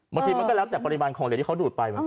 บางทีมันก็แล้วแต่ปริมาณของเหลวที่เขาดูดไป